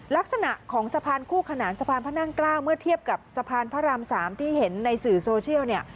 ลักษณะของสะพานคู่ขนานสะพานพระนั่งเกล้าเมื่อเทียบกับสะพานพระราม๓ที่เห็นในสื่อโซเชียลเนี่ย